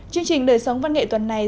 chương trình đời sống văn nghệ tuần này